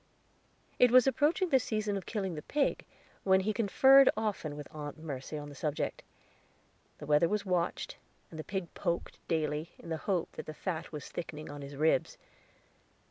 It was approaching the season of killing the pig, and he conferred often with Aunt Mercy on the subject. The weather was watched, and the pig poked daily, in the hope that the fat was thickening on his ribs.